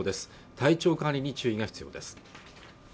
体調管理に注意が必要です